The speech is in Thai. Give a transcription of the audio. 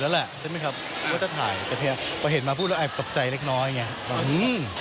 ยังไงล่ะใช่ไหมครับว่าจะถ่ายแต่เห็นมาพูดแล้วหายตกใจเล็กอย่างเงี้ย